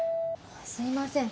すいません。